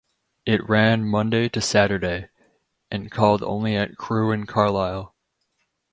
It ran Monday to Saturday, and called only at Crewe and Carlisle.